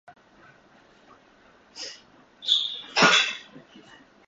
ある小春の穏やかな日の二時頃であったが、吾輩は昼飯後快く一睡した後、運動かたがたこの茶園へと歩を運ばした